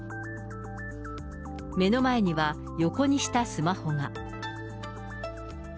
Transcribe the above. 目の前には、横にしたスマホが。